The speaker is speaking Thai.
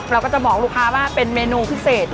เราก็จะบอกลูกค้าว่าเป็นเมนูพิเศษ